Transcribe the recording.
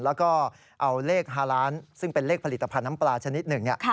แล้วก็เอาเลขฮาล้านซึ่งเป็นเลขผลิตภัณฑ์น้ำปลาชนิดหนึ่ง